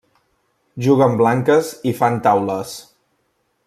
Juguen blanques i fan taules.